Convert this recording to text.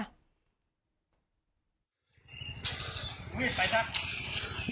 มึงมิดไปจ๊ะ